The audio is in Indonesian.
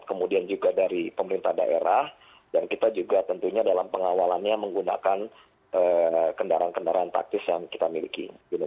kemudian juga dari pemerintah daerah dan kita juga tentunya dalam pengawalannya menggunakan kendaraan kendaraan taktis yang kita miliki